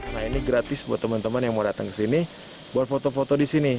nah ini gratis buat teman teman yang mau datang ke sini buat foto foto di sini